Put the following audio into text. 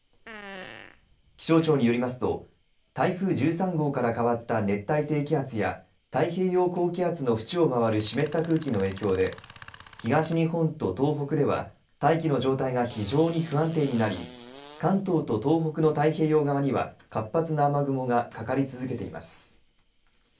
気象庁によりますと台風１３号から変わった熱帯低気圧や太平洋高気圧の縁を回る湿った空気の影響で東日本と東北では大気の状態が非常に不安定になり関東と東北の太平洋側には活発な雨雲がかかり続けています。